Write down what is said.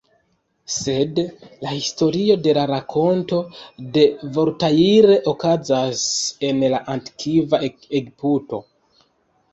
Sed la historio de la rakonto de Voltaire okazas en la Antikva Egipto.